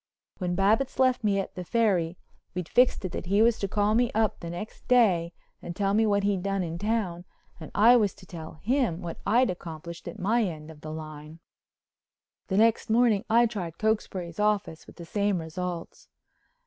When Babbitts left me at the Ferry we'd fixed it that he was to call me up the next day and tell me what he'd done in town and I was to tell him what I'd accomplished at my end of the line. The next morning I tried Cokesbury's office with the same results.